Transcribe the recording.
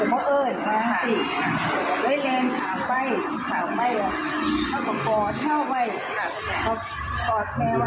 วางไว้บนโต๊ะแล้วก็หันหน้ามาบอกว่ามันตายแล้ว